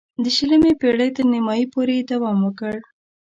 د شلمې پېړۍ تر نیمايی پورې یې دوام وکړ.